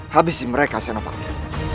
habisi mereka senopati